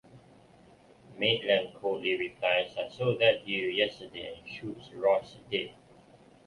Maitland coldly replies, "I sold that to you yesterday", and shoots Ross dead.